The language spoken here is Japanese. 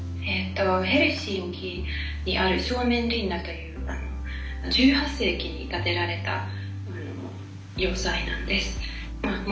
ヘルシンキにあるスオメンリンナという１８世紀に建てられた要塞なんです。